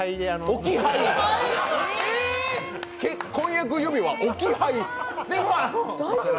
婚約指輪、置き配？